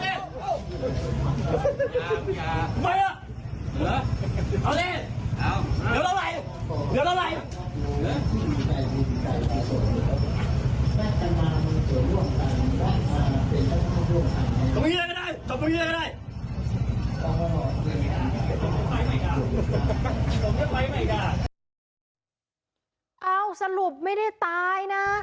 เอาสรุปไม่ได้ตายนะ